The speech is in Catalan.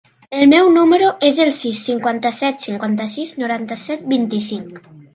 El meu número es el sis, cinquanta-set, cinquanta-sis, noranta-set, vint-i-cinc.